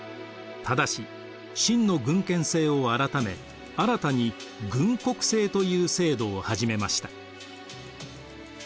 ただし秦の郡県制を改め新たに郡国制という制度を始めました。